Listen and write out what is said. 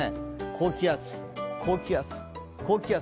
高気圧、高気圧、高気圧。